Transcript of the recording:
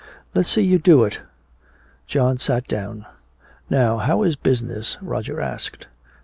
"Let's see you do it." John sat down. "Now how is business?" Roger asked.